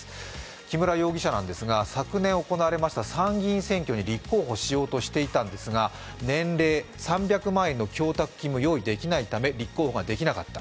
木村容疑者なんですが昨年行われました参議院選挙に立候補しようとしていたんですが年齢、３００万円の供託金も用意できなかったため、立候補ができなかった。